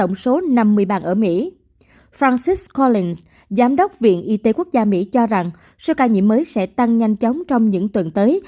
giám đốc viện y tế quốc gia mỹ cho rằng số ca nhiễm mới sẽ tăng nhanh chóng trong những tuần tới